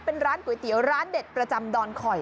เป็นร้านก๋วยเตี๋ยวร้านเด็ดประจำดอนคอย